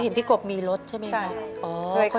เห็นพี่กบมีรถใช่ไหมคะ